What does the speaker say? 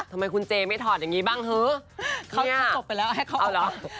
ทำไมคุณเจไม่ถอดอย่างนี้บ้างฮือเนี่ยเขาจบไปแล้วให้เขาออก